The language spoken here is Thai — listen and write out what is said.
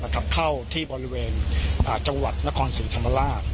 เข้าที่บริเวณจังหวัดนครศรีธรรมราช